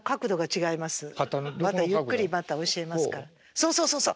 そうそうそうそう。